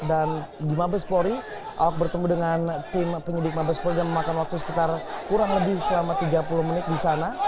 dan di mabespori ahok bertemu dengan tim pengidik mabespori dan memakan waktu sekitar kurang lebih selama tiga puluh menit disana